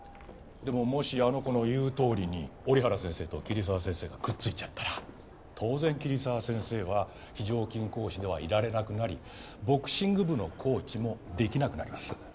でももしあの子の言うとおりに折原先生と桐沢先生がくっついちゃったら当然桐沢先生は非常勤講師ではいられなくなりボクシング部のコーチもできなくなります。